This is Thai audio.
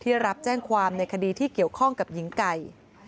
รับแจ้งความในคดีที่เกี่ยวข้องกับหญิงไก่